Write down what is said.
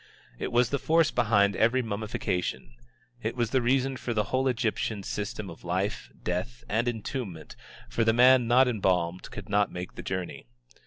It was the force behind every mummification. It was the reason for the whole Egyptian system of life, death, and entombment, for the man not embalmed could not make the journey.